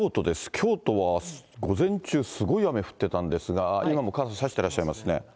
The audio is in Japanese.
京都は、午前中、すごい雨降ってたんですが、今も傘差してらっしゃいますね。